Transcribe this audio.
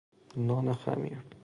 نان خمیر